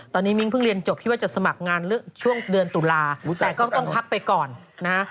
ตอนนี้มิ้งเพิ่งเรียนจบที่ว่าจะสมัครงานช่วงเดือนตุลาแต่ก็ต้องพักไปก่อนนะฮะ